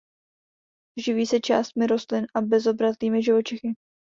Živí se částmi rostlin a bezobratlými živočichy.